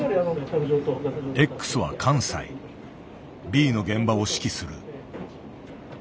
Ｘは関西Ｂの現場を指揮する。